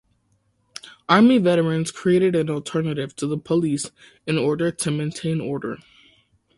Army veterans created an alternative to the police in order to maintain order.